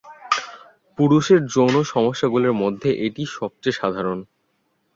পুরুষের যৌন সমস্যাগুলির মধ্যে এটি সবচেয়ে সাধারণ।